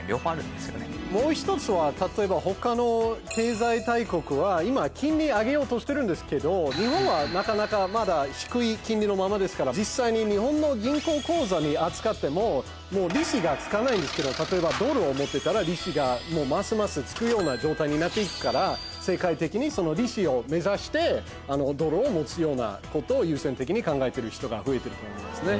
もう１つは例えば他の経済大国は今金利上げようとしてるんですけど日本はなかなかまだ低い金利のままですから実際に日本の銀行口座に預かっても利子がつかないんですけど例えばドルを持ってたら利子がもうますます付くような状態になって行くから世界的にその利子を目指してドルを持つようなことを優先的に考えてる人が増えてると思いますね。